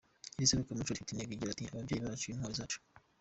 Iri serukiramuco rifite intego igira iti “Ababyeyi bacu, Intwari zacu".